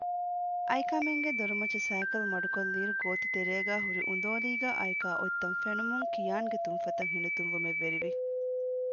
އައިކާމެންގޭ ދޮރުމައްޗަށް ސައިކަލު މަޑުކޮށްލިއިރު ގޯތިތެރޭގައި ހުރި އުނދޯލީގައި އައިކާ އޮތްތަން ފެނުމުން ކިޔާންގެ ތުންފަތަށް ހިނިތުންވުމެއް ވެރިވި